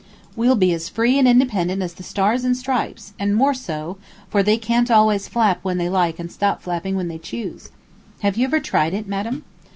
We'll be as free and independent as the Stars and Stripes, and more so, for they can't always flap when they like and stop flapping when they choose. Have you ever tried it, madam?"